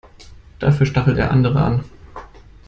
Dafür stachelt er andere an.